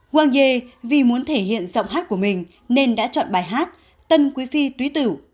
wang ye vì muốn thể hiện giọng hát của mình nên đã chọn bài hát tân quý phi túy tử